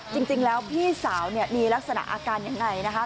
จริงแล้วพี่สาวเนี่ยมีลักษณะอาการยังไงนะคะ